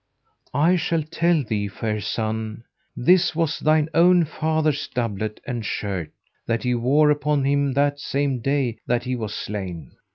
I shall tell thee, fair son: this was thine own father's doublet and shirt, that he wore upon him that same day that he was slain.